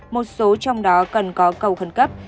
một số trong đó cần có cầu khẩn cấp